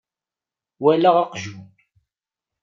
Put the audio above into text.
Walaɣ aqjun.